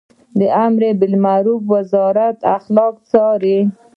د امربالمعروف وزارت اخلاق څاري